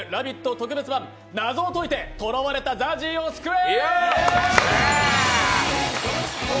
特別版、「謎を解いて囚われたＺＡＺＹを救え！」。